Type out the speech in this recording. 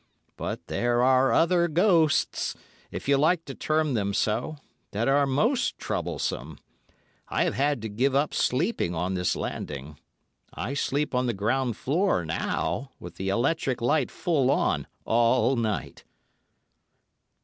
But there are other ghosts—if you like to term them so—that are most troublesome. I have had to give up sleeping on this landing. I sleep on the ground floor now, with the electric light full on, all night.